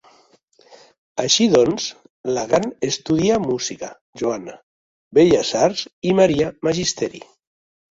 Així, doncs, la gran estudià música; Joana, Belles Arts i Maria, magisteri.